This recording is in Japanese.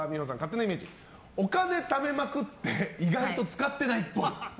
お金ためまくって意外と使っていないっぽい。